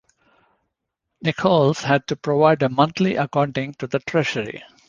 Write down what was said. Nichols had to provide a monthly accounting to the Treasury.